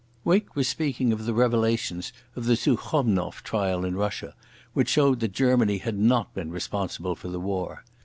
Wake was speaking of the revelations of the Sukhomlinov trial in Russia, which showed that Germany had not been responsible for the war.